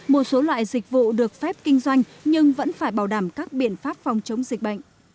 một số loại dịch vụ được phép kinh doanh nhưng vẫn phải bảo đảm các biện pháp phòng chống dịch bệnh